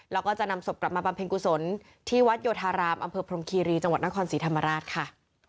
แล้วก็จะนำศพกลับมาบำเพ็ญกุศลที่วัดโยธารามอำเภอพรมคีรีจังหวัดนครศรีธรรมราชค่ะ